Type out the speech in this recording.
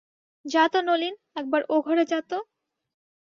যা তো নলিন, একবার ও ঘরে যা তো।